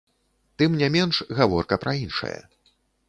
Тым не менш, гаворка пра іншае.